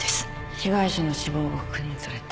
被害者の死亡が確認された